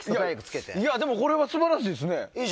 でもこれは素晴らしいですね。